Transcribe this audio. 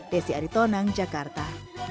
desi aritonang jakarta